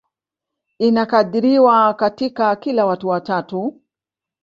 Inakadiriwa katika kila watu watatu